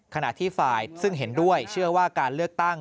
ขณะที่ฝ่ายซึ่งเห็นด้วยเชื่อว่าการเลือกตั้ง